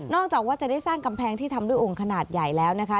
จากว่าจะได้สร้างกำแพงที่ทำด้วยองค์ขนาดใหญ่แล้วนะคะ